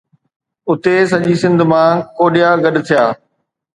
اتي سڄي سنڌ مان ڪوڏيا گڏ ٿيا.